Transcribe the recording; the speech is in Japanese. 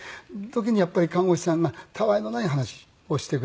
時にやっぱり看護師さんがたわいのない話をしてくれる。